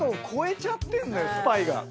スパイが。